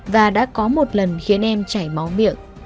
và đã có một lần khiến em chảy máu miệng